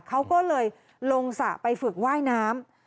เขาก็เลยลงสระไปฝึกว่ายน้ำ